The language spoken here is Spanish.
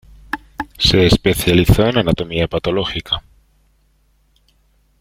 Se especializó en anatomía patológica.